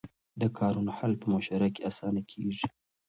د کارونو حل په مشوره کې اسانه کېږي.